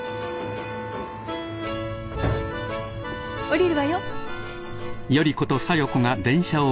降りるわよ